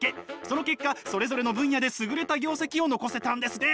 その結果それぞれの分野で優れた業績を残せたんですね！